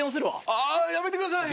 あやめてください。